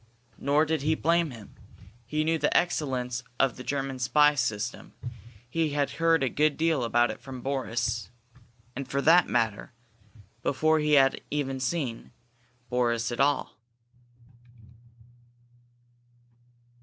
Nor did he blame him. He knew the excellence of the German spy system; he had heard a good deal about it from Boris, and, for that matter, before he had even seen Boris at all.